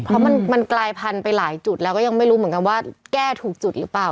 เพราะมันกลายพันธุ์ไปหลายจุดแล้วก็ยังไม่รู้เหมือนกันว่าแก้ถูกจุดหรือเปล่า